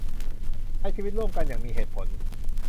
ใช้ชีวิตร่วมกันอย่างมีเหตุผล